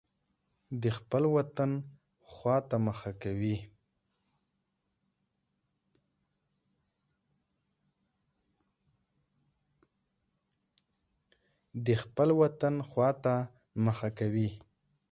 د خپل وطن خوا ته مخه کوي.